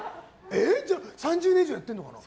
じゃあ３０年以上やってるのかな？